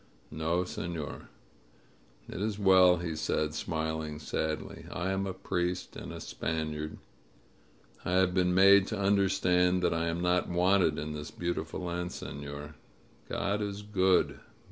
"No, senor." "It is well," he said, smiling sadly. "I am a priest and a Spaniard. I have been made to understand that I am not wanted in this beautiful land, senor. God is good.